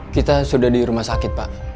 kita sudah di rumah sakit pak